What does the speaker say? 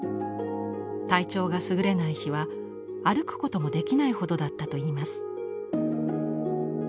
体調がすぐれない日は歩くこともできないほどだったといいます。